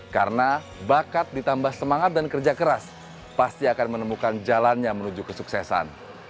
karena bakat ditambah semangat dan kerja keras pasti akan menemukan jalannya menuju kesuksesan